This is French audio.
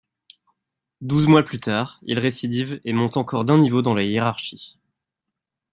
Douze mois plus tard, il récidive et monte encore d'un niveau dans la hiérarchie.